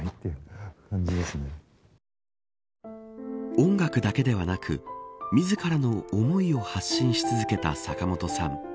音楽だけではなく自らの思いを発信し続けた坂本さん。